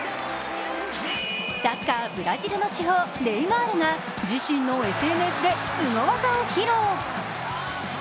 サッカー、ブラジルの至宝ネイマールが自身のＳＮＳですご技を披露。